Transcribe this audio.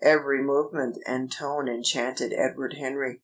Every movement and tone enchanted Edward Henry.